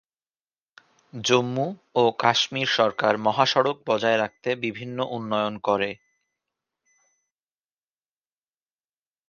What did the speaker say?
জম্মু ও কাশ্মীর সরকার মহাসড়ক বজায় রাখতে বিভিন্ন উন্নয়ন করে।